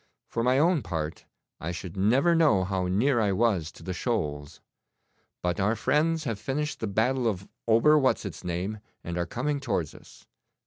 For my own part, I should never know how near I was to the shoals. But our friends have finished the battle of Ober what's its name, and are coming towards us.